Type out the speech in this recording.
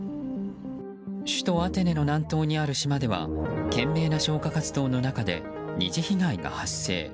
首都アテネの南東にある島では懸命な消火活動の中で２次被害が発生。